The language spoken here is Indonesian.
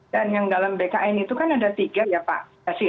dan yang dalam bkn itu kan ada tiga ya pak